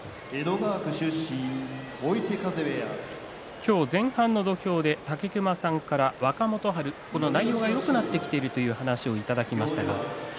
今日前半の土俵で武隈さんから若元春、内容がよくなったという話をいただきました。